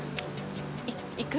行く？